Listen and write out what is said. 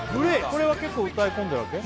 これは結構歌い込んでるわけ？